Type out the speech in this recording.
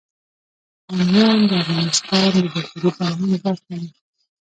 بامیان د افغانستان د بشري فرهنګ برخه ده.